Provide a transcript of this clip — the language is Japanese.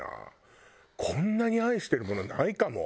こんなに愛してるものないかも。